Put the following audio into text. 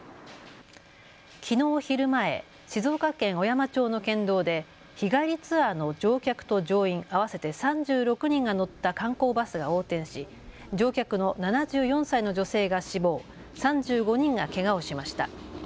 きのう昼前、静岡県小山町の県道で日帰りツアーの乗客と乗員合わせて３６人が乗った観光バスが横転し乗客の７４歳の女性が死亡、３５人がけがをしました。